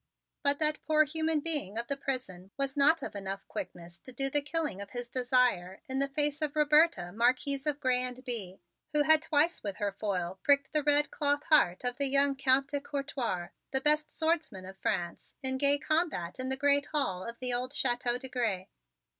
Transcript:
But that poor human being of the prison was not of enough quickness to do the killing of his desire in the face of Roberta, Marquise of Grez and Bye, who had twice with her foil pricked the red cloth heart of the young Count de Couertoir, the best swordsman of France, in gay combat in the great hall of the old Chateau de Grez.